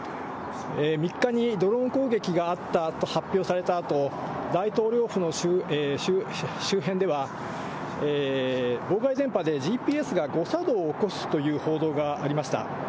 ３日にドローン攻撃があったと発表されたあと、大統領府の周辺では妨害電波でＧＰＳが誤作動を起こすという報道がありました。